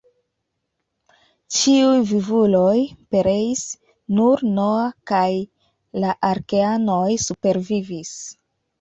Ĉiuj vivuloj pereis, nur Noa kaj la arkeanoj supervivis.